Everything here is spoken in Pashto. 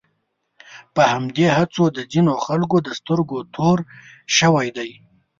په همدې هڅو د ځینو خلکو د سترګو تور شوی دی.